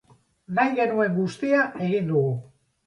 Nahi genuen guztia egin dugu.